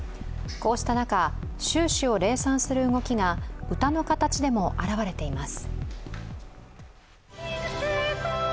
こうした中、習氏を礼賛する動きが歌の形でも現れています。